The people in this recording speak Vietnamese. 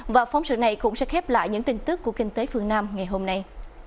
và phóng sự này cũng sẽ khép lại những tin tức của kinh tế phương nam ngày hôm nay